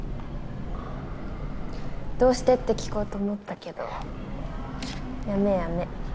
「どうして？」って聞こうと思ったけどやめやめ。